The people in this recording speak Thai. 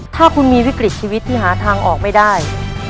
ถ้าคุณมีวิกฤตชีวิตที่หาทางออกไม่ได้